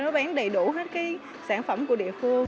nó bán đầy đủ hết cái sản phẩm của địa phương